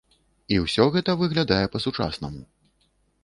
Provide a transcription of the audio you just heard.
І ўсё гэта выглядае па-сучаснаму!